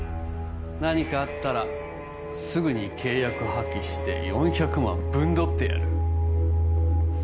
何かあったらすぐに契約破棄して４００万ぶんどってやる